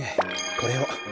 これを。